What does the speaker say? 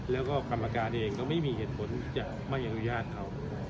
แล้วก็กรรมการเองก็ไม่มีเหตุผลที่จะไม่อนุญาตเขา